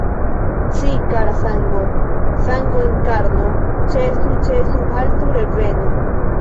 Ci, kara sango, sango en karno, ĉesu, ĉesu, haltu, revenu!